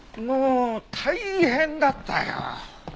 もう大変だったよ。